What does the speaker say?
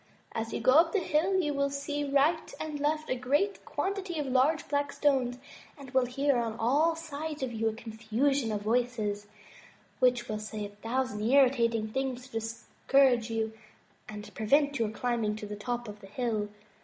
As you go up the hill, you will see right and left a great quantity of large black stones, and will hear on all sides of you a confusion of voices, which will say a thousand irritating things to discourage you and prevent your climbing to the top of the hill.